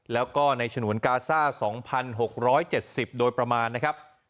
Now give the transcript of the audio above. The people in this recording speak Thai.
แล้วก็ในฉนวนกาซ่า๒๖๗๐โดยประมาณนะครับ